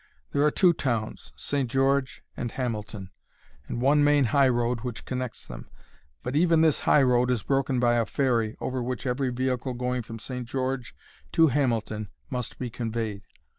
There are two towns, St. George and Hamilton, and one main high road, which connects them; but even this high road is broken by a ferry, over which every vehicle going from St. George to Hamilton must be conveyed.